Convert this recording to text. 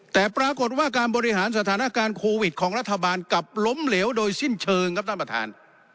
แต่ปรากฏว่าการบริหารสถานการณ์โควิดของรัฐบาลกลับล้มเหลวโดยสิ้นเชิงครับท่านประธาน